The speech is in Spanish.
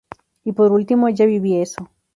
Y por ultimo, ya viví eso!.